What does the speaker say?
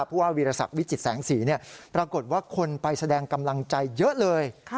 ผู้ว่าวีรศักดิ์วิจิตแสงสีปรากฏว่าคนไปแสดงกำลังใจเยอะเลย